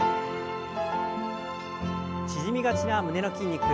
縮みがちな胸の筋肉。